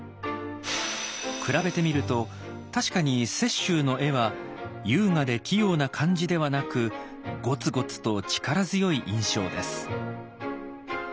比べてみると確かに雪舟の絵は優雅で器用な感じではなくゴツゴツと力強い印象です。